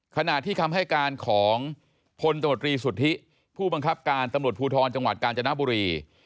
ขณะที่คำให้การของพลตมตรีสุทธิผู้บังคับการตำรวจภูทรจังหวัดกาญจนบุรี